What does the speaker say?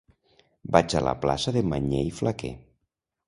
Vaig a la plaça de Mañé i Flaquer.